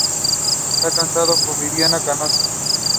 A done tops the structure.